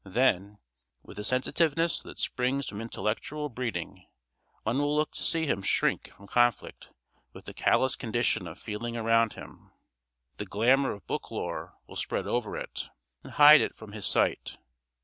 [A] Then, with the sensitiveness that springs from intellectual breeding, one will look to see him shrink from conflict with the callous condition of feeling around him. The glamour of book lore will spread over it, and hide it from his sight.